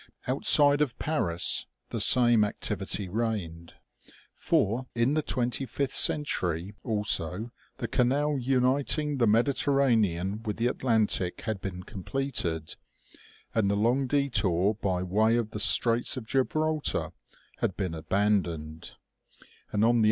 Outside of Paris the same activity reigned ; for, in the twenty fifth century also, the canal uniting the Mediterranean with the Atlan tic had been completed, and the long detour by way of the Straits of Gibraltar had been abandoned ; and on the 206 OMEGA.